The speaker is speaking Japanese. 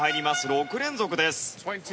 ６連続です。